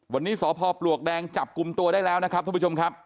วันนี้สพปลวกแดงจับกลุ่มตัวได้แล้วนะครับท่านผู้ชมครับ